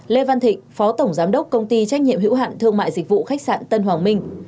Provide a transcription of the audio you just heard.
lê văn thịnh phó tổng giám đốc công ty trách nhiệm hữu hạn thương mại dịch vụ khách sạn tân hoàng minh